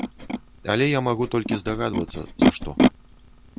Але я магу толькі здагадвацца за што.